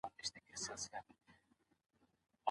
ایا کورني سوداګر کاغذي بادام خرڅوي؟